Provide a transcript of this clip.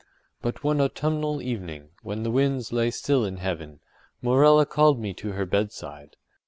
But one autumnal evening, when the winds lay still in heaven, Morella called me to her bedside.